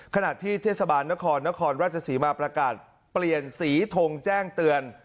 ขณะที่เทศบาลนครนครราชศรีมาประกาศเปลี่ยนสีทงแจ้งเตือน